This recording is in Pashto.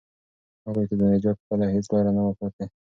هغوی ته د نجات بله هیڅ لاره نه وه پاتې.